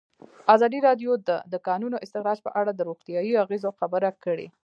ازادي راډیو د د کانونو استخراج په اړه د روغتیایي اغېزو خبره کړې.